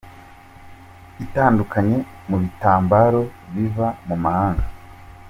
itandukanye mu bitambaro biva mu mahanga.